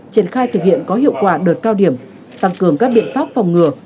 triển khai thực hiện có hiệu quả đợt cao điểm tăng cường các biện pháp phòng ngừa